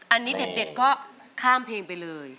อันนี้เด็ดก็ข้ามเพลงไปเลย